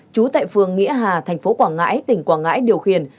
trú tại phường nghĩa hà thành phố quảng ngãi tỉnh quảng ngãi điều khiển